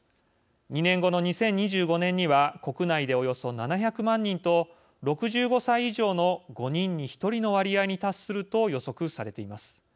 ２年後の２０２５年には国内でおよそ７００万人と６５歳以上の５人に１人の割合に達すると予測されています。